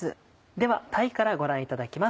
では鯛からご覧いただきます。